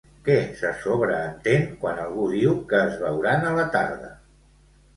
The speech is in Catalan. Què se sobreentén quan algú diu que es veuran a la tarda?